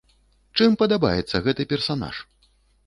Чым падабаецца гэты персанаж?